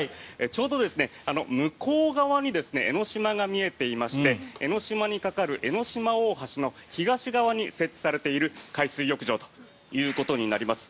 ちょうど向こう側に江の島が見えていまして江の島に架かる江の島大橋の東側に設置されている海水浴場ということになります。